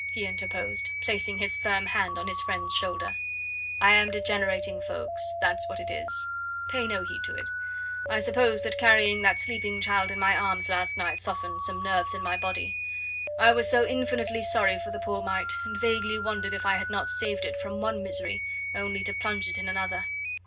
he interposed, placing his firm hand on his friend's shoulder. "I am degenerating, Ffoulkes that's what it is. Pay no heed to it. I suppose that carrying that sleeping child in my arms last night softened some nerves in my body. I was so infinitely sorry for the poor mite, and vaguely wondered if I had not saved it from one misery only to plunge it in another.